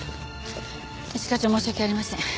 一課長申し訳ありません。